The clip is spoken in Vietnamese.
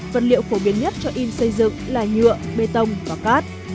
vật liệu phổ biến nhất cho in xây dựng là nhựa bê tông và cát